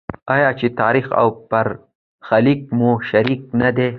آیا چې تاریخ او برخلیک مو شریک نه دی؟